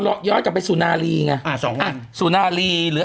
เราย้อนกลับไปสุนารีงะอ่าสองวันสุนารีเลย